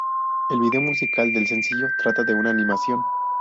El vídeo musical del sencillo trata de una animación.